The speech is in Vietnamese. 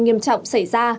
nghiêm trọng xảy ra